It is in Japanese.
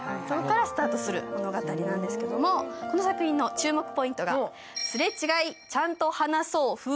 そこからスタートする物語なんですけれども、この作品の注目ポイントが。